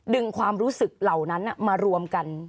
ความรู้สึกเหล่านั้นมารวมกัน